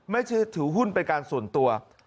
ไม่ใช่ถือหุ้นไปการส่วนตัว